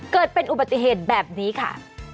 เกิดเป็นอุบัติเหตุแบบนี้ค่ะ